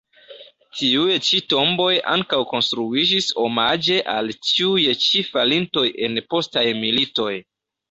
Tiuj ĉi tomboj ankaŭ konstruiĝis omaĝe al tiuj ĉi falintoj en postaj militoj.